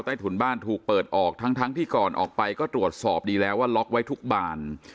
ถุนบ้านถูกเปิดออกทั้งที่ก่อนออกไปก็ตรวจสอบดีแล้วว่าล็อกไว้ทุกบาน